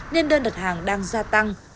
nên đơn đặt hàng đang gia tăng